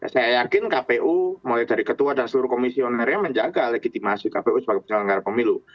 saya yakin kpu mulai dari ketua dan seluruh komisionernya menjaga legitimasi kpu sebagai penyelenggara pemilu